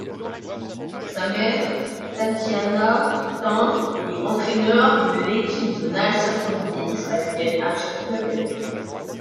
Sa mère, Tatiana Thym est entraîneur de l'équipe de nage synchronisée israélienne à Jérusalem.